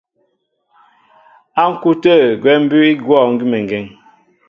Á ŋ̀kú' tə̂ gwɛ́ mbʉ́ʉ́ í gwɔ̂ gʉ́meŋgeŋ.